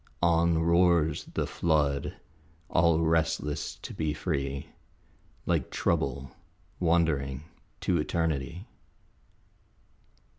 On roars the flood, all restless to be free, Like Trouble wandering to Eternity.